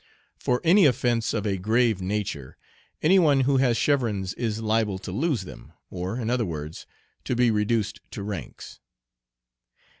For any offence of a grave nature, any one who has chevrons is liable to lose them, or, in other words, to be reduced to ranks.